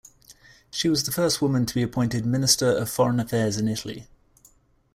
She was the first woman to be appointed Minister of Foreign Affairs in Italy.